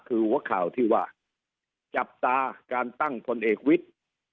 คือหัวข่าวที่ว่าจับตาการตั้งพลเอกวิทย์